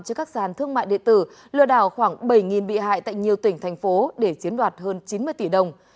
cho các sàn thương mại điện tử lừa đảo khoảng bảy bị hại tại nhiều tỉnh thành phố để chiếm đoạt hơn chín mươi tỷ đồng